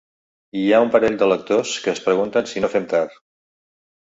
Hi ha un parell de lectors que es pregunten si no fem tard.